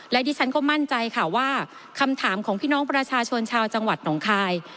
และดิฉันก็มั่นใจค่ะว่าคำถามของพี่น้องประชาชนชาวจังหวัดหนองคาย